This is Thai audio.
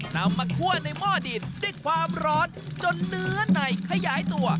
นำมาคั่วในหม้อดินด้วยความร้อนจนเนื้อในขยายตัว